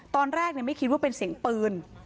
ตอนแรกไม่คิดว่าเป็นเสียงปืน